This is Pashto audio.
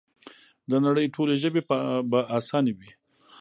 د نړۍ ټولې ژبې به اسانې وي؛